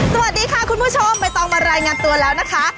สวัสดีค่ะคุณผู้ชมไม่ต้องมารายงานตัวแล้วนะคะ